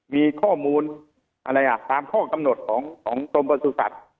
มีข้อมูลอะไรอ่ะตามข้อกำหนดของกรมประสุทธิ์